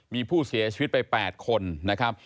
มีผู้เสียชีวิตไป๘คนนะครับ